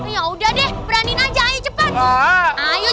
ya udah deh berani aja cepet